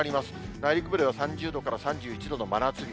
内陸部では３０度から３１度の真夏日。